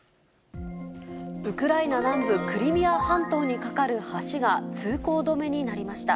ウクライナ南部クリミア半島に架かる橋が通行止めになりました。